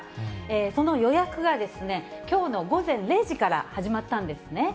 その予約が、きょうの午前０時から始まったんですね。